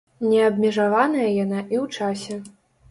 Не абмежаваная яна і ў часе.